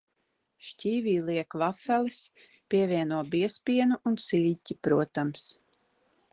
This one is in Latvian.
Šķīvī liek vafeles, pievieno biezpienu un siļķi, protams.